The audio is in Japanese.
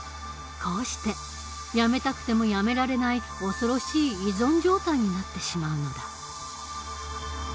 こうしてやめたくてもやめられない恐ろしい依存状態になってしまうのだ。